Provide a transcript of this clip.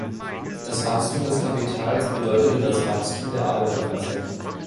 Das Wachstum des Kapitals bedeutete das Wachstum der Arbeiterklasse.